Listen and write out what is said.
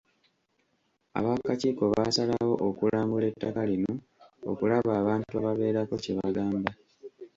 Ab'akakiiko baasalawo okulambula ettaka lino okulaba abantu ababeerako kye bagamba.